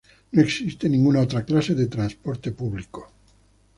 No existe ninguna otra clase de transporte público.